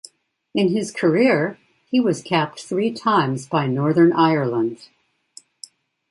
In his career, he was capped three times by Northern Ireland.